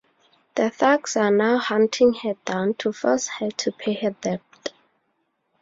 The thugs are now hunting her down to force her to pay her debt.